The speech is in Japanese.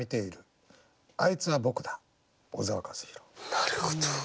なるほど。